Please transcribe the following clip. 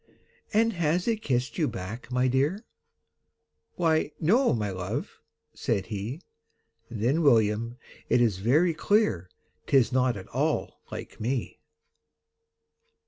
"And has it kissed you back, my dear?" "Why no my love," said he. "Then, William, it is very clear 'Tis not at all LIKE ME!"